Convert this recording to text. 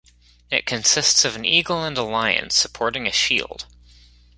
It consists of an eagle and a lion supporting a shield.